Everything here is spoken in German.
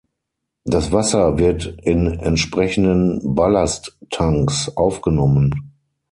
Das Wasser wird in entsprechenden Ballasttanks aufgenommen.